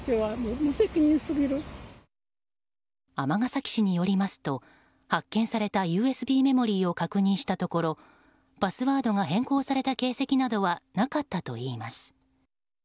尼崎市によりますと発見されたＵＳＢメモリーを確認したところパスワードが変更された形跡などはなかったといいます。